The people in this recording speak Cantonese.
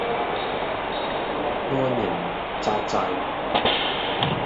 安營紮寨